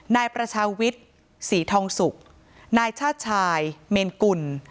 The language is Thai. นายประชาวิทย์ศรีทองสุกนายชาติชายเมนกุล